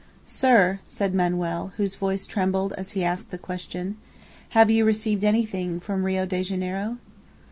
"Sir," said Manoel, whose voice trembled as he asked the question, "have you received anything from Rio de Janeiro."